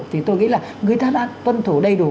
thì tôi nghĩ là người ta đã tuân thủ đầy đủ